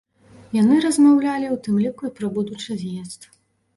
Яны размаўлялі ў тым ліку і пра будучы з'езд.